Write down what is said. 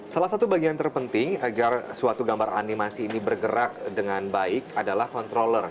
salah satu bagian terpenting agar suatu gambar animasi ini bergerak dengan baik adalah controller